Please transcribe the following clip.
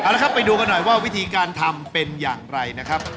เอาละครับไปดูกันหน่อยว่าวิธีการทำเป็นอย่างไรนะครับ